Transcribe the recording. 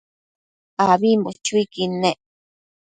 ambimbo chuiquid nec